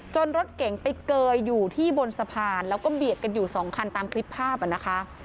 รถเก่งไปเกยอยู่ที่บนสะพานแล้วก็เบียดกันอยู่สองคันตามคลิปภาพนะคะ